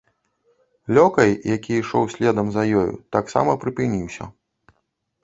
Лёкай, які ішоў следам, за ёю таксама прыпыніўся.